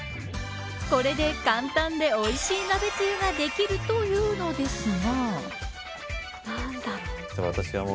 これで、簡単でおいしい鍋つゆができるというのですが。